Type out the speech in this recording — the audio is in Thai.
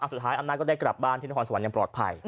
สุดท้ายอำนาจก็ได้กลับบ้านที่นครสวรรค์ยังปลอดภัย